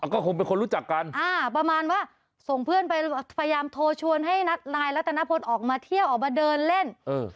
ก็คงเป็นคนรู้จักกันอ่าประมาณว่าส่งเพื่อนไปพยายามโทรชวนให้นัดนายรัตนพลออกมาเที่ยวออกมาเดินเล่น